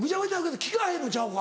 効かへんのちゃうか？